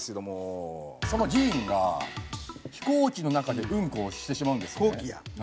その議員が飛行機の中でうんこをしてしまうんですね。